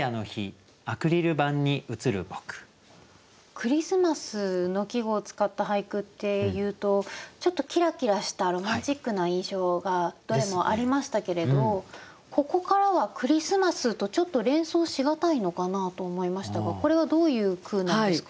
クリスマスの季語を使った俳句っていうとちょっとキラキラしたロマンチックな印象がどれもありましたけれどここからはクリスマスとちょっと連想しがたいのかなと思いましたがこれはどういう句なんですか？